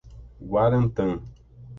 Guarantã